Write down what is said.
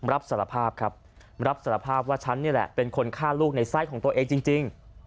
รับสารภาพว่าฉันนี่แหละเป็นคนฆ่าลูกในใส่ของตัวเองจริง